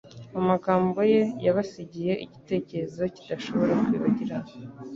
Amagambo ye yabasigiye igitekerezo kidashobora kwibagirana.